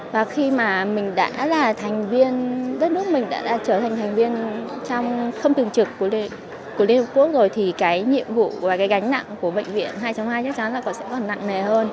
và khi mà mình đã là thành viên đất nước mình đã trở thành thành viên trong không thường trực của liên hợp quốc rồi thì cái nhiệm vụ và cái gánh nặng của bệnh viện hai hai chắc chắn là sẽ còn nặng nề hơn